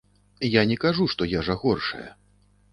Я не кажу, што ежа горшая.